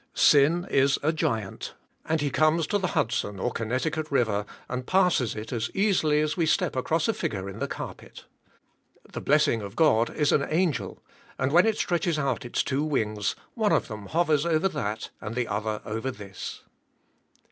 Sin is a giant; and he comes to the Hudson or Connecticut River, and passes it, as easily as we step across a figure in the carpet. The blessing of God is an angel; and when it stretches out its two wings, one of them hovers over that, and the other over this.